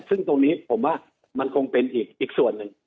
ซึ่งตรงนี้ผมว่ามันคงเป็นอีกส่วนหนึ่ง